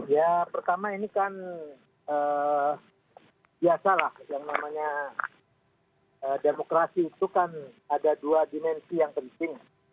ya pertama ini kan biasa lah yang namanya demokrasi itu kan ada dua dimensi yang penting